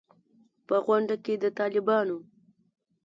په غونډه کې د طالبانو